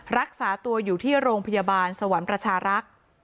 รักษาตัวอยู่ที่โรงพยาบาลสวรรค์ประชารักษ์